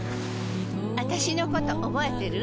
あたしのこと覚えてる？